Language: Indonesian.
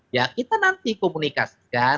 ya kita nanti komunikasikan